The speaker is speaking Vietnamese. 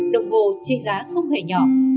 đồng hồ trên giá không hề nhỏ